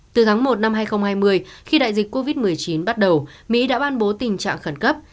từ tháng một năm hai nghìn hai mươi khi đại dịch covid một mươi chín bắt đầu mỹ đã ban bố tình trạng khẩn cấp